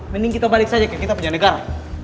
mending kita balik saja kayak kita penjahat negara